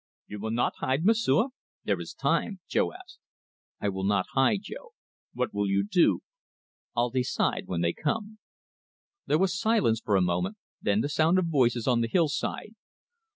"You will not hide, M'sieu'? There is time," Jo asked. "I will not hide, Jo." "What will you do?" "I'll decide when they come." There was silence for a moment, then the sound of voices on the hill side.